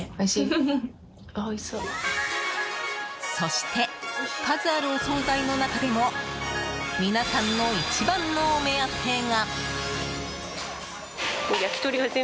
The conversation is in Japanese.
そして、数あるお総菜の中でも皆さんの一番のお目当てが。